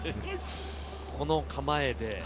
この構えで。